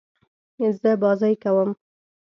زه بازۍ کوم.